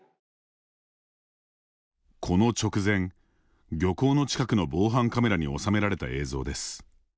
この直前、漁港の近くの防犯カメラに収められた映像です。